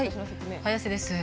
早瀬です。